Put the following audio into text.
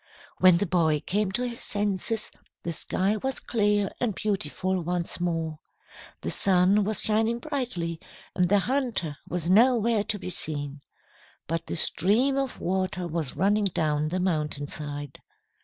"When the boy came to his senses, the sky was clear and beautiful once more. The sun was shining brightly, and the hunter was nowhere to be seen. But the stream of water was running down the mountainside.